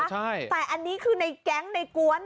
ใช่แต่อันนี้คือในแก๊งในกวน